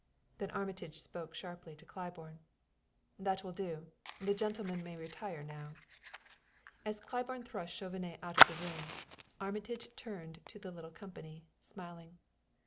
Then Armitage spoke sharply to Claiborne. "That will do. The gentleman may retire now." As Claiborne thrust Chauvenet out of the room, Armitage turned to the little company, smiling.